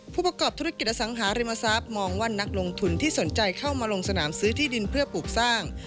ผู้ประกอบธุรกิจอสังหาริมทรัพย์มองว่านักลงทุนที่สนใจเข้ามาลงสนามซื้อที่ดินเพื่อปลูกสร้าง